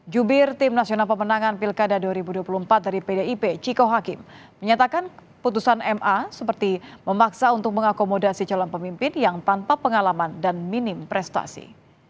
jubir tim nasional pemenangan pilkada dua ribu dua puluh empat dari pdip ciko hakim menyatakan putusan ma seperti memaksa untuk mengakomodasi calon pemimpin yang tanpa pengalaman dan minim prestasi